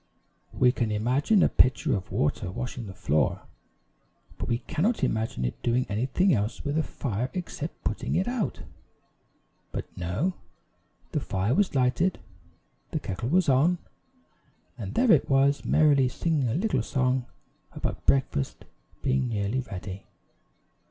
We can imagine a pitcher of water washing the floor, but we cannot imagine it doing anything else with a fire except putting it out. But, no! the fire was lighted, the kettle was on, and there it was, merrily singing a little song about breakfast being nearly ready.